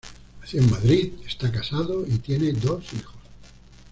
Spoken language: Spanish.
Nació en Madrid, está casado y tiene dos hijos.